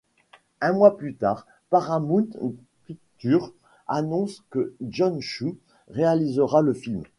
Un mois plus tard, Paramount Pictures annonce que Jon Chu réalisera le film.